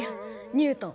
ニュートン。